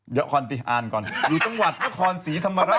เดี๋ยวคอนติอ่านก่อนอยู่จังหวัดนครศรีธรรมราช